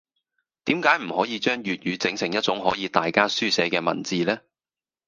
點解唔可以將粵語整成一種可以大家書寫嘅文字呢?